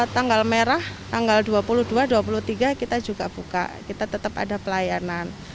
tanggal merah tanggal dua puluh dua dua puluh tiga kita juga buka kita tetap ada pelayanan